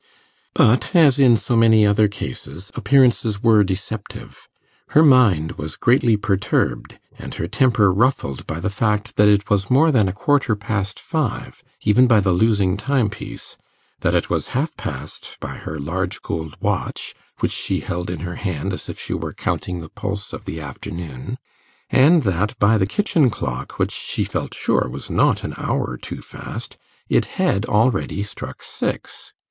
But, as in so many other cases, appearances were deceptive. Her mind was greatly perturbed and her temper ruffled by the fact that it was more than a quarter past five even by the losing timepiece, that it was half past by her large gold watch, which she held in her hand as if she were counting the pulse of the afternoon, and that, by the kitchen clock, which she felt sure was not an hour too fast, it had already struck six.